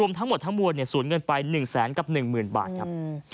ทั้งหมดทั้งมวลสูญเงินไป๑แสนกับ๑๐๐๐บาทครับ